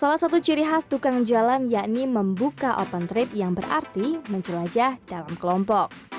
salah satu ciri khas tukang jalan yakni membuka open trip yang berarti menjelajah dalam kelompok